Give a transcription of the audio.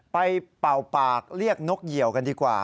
เป่าปากเรียกนกเหยียวกันดีกว่า